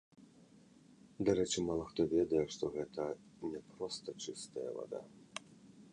Дарэчы, мала хто ведае, што гэта не проста чыстая вада.